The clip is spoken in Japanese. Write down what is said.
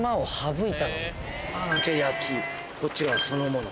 こっちは焼きこっちはそのもの